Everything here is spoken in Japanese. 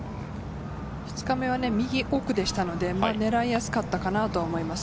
２日目は右奥だったので、狙いやすかったと思います。